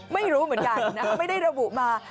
ไม่รู้เหมือนกันนะคะไม่ได้ระบุมา